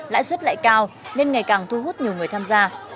lãi suất lại cao nên ngày càng thu hút nhiều người tham gia